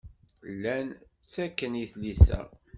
Llan ttekken i tlisa.